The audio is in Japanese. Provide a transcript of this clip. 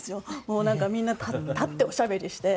もうみんな立っておしゃべりして。